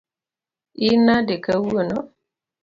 In nade kawuono?